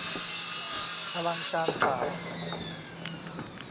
อลังการศาสตร์